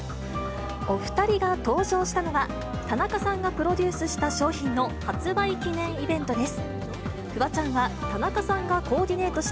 お２人が登場したのは、田中さんがプロデュースした商品の発売記念イベントです。